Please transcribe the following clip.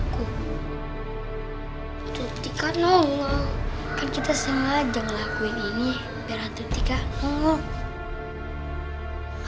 hantu tika nolong kan kita sengaja ngelakuin ini biar hantu tika nolong